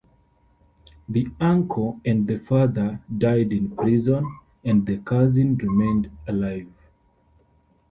The uncle and the father died in prison, and the cousin remained alive.